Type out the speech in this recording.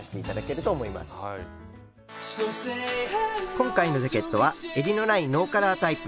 今回のジャケットはえりのないノーカラータイプ。